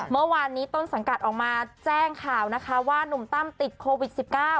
เมื่อวานนี้ต้นสังกัดออกมาแจ้งข่าวนะคะว่านุ่มตั้มติดโควิด๑๙